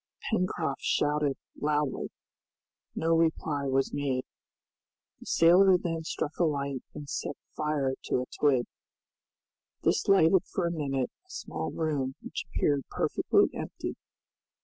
Pencroft shouted loudly. No reply was made. The sailor then struck a light and set fire to a twig. This lighted for a minute a small room, which appeared perfectly empty.